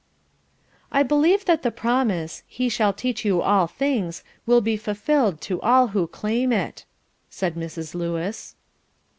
"I believe that the promise, 'He shall teach you all things,' will be fulfilled to all who claim it," said Mrs. Lewis.